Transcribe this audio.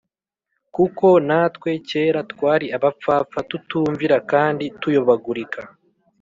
Kuko natwe kera twari abapfapfa tutumvira kandi tuyobagurika